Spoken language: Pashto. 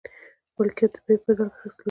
ملکیت د بیې په بدل کې اخیستل کیږي.